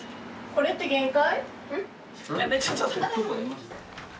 これって限界？